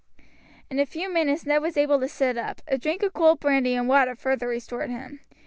In a few minutes Ned was able to sit up; a drink of cold brandy and water further restored him.